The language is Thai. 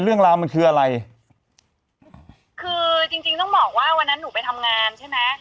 เรื่องราวมันคืออะไรคือจริงจริงต้องบอกว่าวันนั้นหนูไปทำงานใช่ไหม